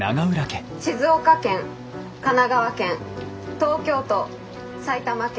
「静岡県神奈川県東京都埼玉県」。